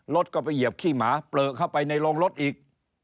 รถก็ไปเหยียบขี้หมาเปลือเข้าไปในโรงรถอีก